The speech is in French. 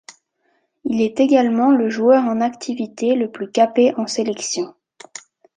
Il est également le joueur en activité le plus capé en sélections.